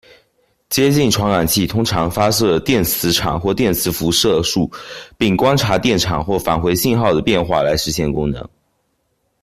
接近传感器通常发射电磁场或电磁辐射束并观察电场或返回信号的变化来实现功能。